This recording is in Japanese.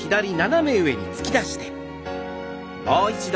もう一度。